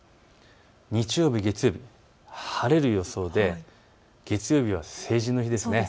日曜日、月曜日、晴れる予想で月曜日は成人の日ですね。